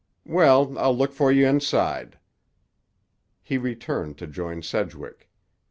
"Well, I'll look for you inside." He returned to join Sedgwick.